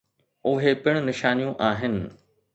اهي پڻ نشانيون آهن.